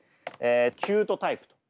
「キュートタイプ」と。